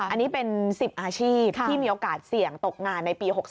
อันนี้เป็น๑๐อาชีพที่มีโอกาสเสี่ยงตกงานในปี๖๓